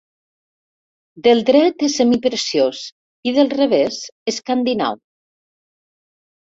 Del dret és semipreciós i del revés, escandinau.